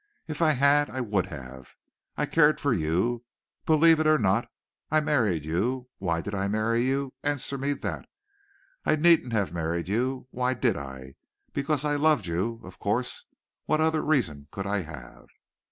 If I had I would have. I cared for you. Believe it or not. I married you. Why did I marry you? Answer me that? I needn't have married you. Why did I? Because I loved you, of course. What other reason could I have?"